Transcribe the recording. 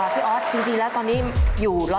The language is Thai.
พี่อ๊อสจริงแล้วตอนนี้อยู่๑๐๑